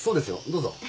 どうぞ。